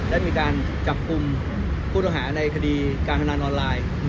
ได้มีการจับกลุ่มผู้ต้องหาในคดีการพนันออนไลน์